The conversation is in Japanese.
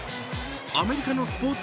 アメリカのスポーツ